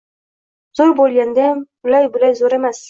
— Zo‘r bo‘lgandayam, ulay-bulay zo‘r emas.